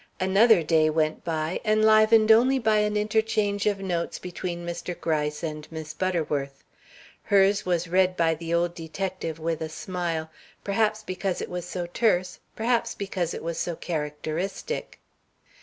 Another day went by, enlivened only by an interchange of notes between Mr. Gryce and Miss Butterworth. Hers was read by the old detective with a smile. Perhaps because it was so terse; perhaps because it was so characteristic.